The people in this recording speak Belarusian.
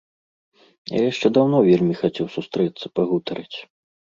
Я яшчэ даўно вельмі хацеў сустрэцца, пагутарыць.